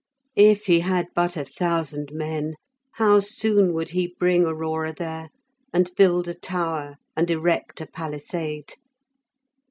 If he had but a thousand men! How soon he would bring Aurora there, and build a tower, and erect a palisade!